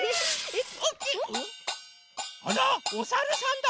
あらおさるさんだ！